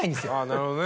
なるほどね。